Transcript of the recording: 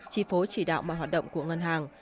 chi phối chỉ đạo mọi hoạt động của ngân hàng